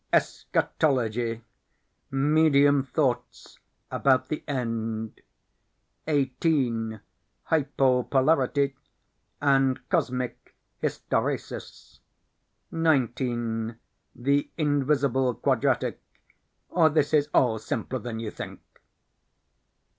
Eschatology Medium Thoughts about the End. 18. Hypo polarity and Cosmic Hysteresis. 19. The Invisible Quadratic, or This is All Simpler than You Think.